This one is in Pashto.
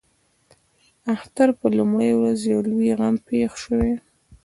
د اختر پر لومړۍ ورځ یو لوی غم پېښ شوی.